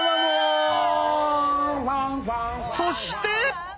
そして！